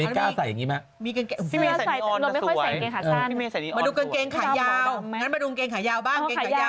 เอ็งซี่ใส่ได้มันไม่ต้องแครรใครใส่เลยจริงจริง